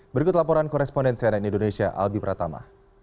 berikut laporan koresponden cnn indonesia albi pratama